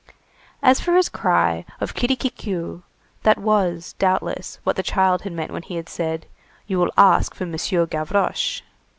As for his cry of Kirikikiou,—that was, doubtless, what the child had meant, when he said:— "You will ask for Monsieur Gavroche."